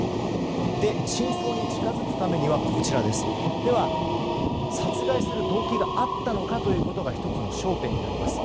真相に近づくためにはでは、殺害する動機があったのかというところが１つの焦点となります。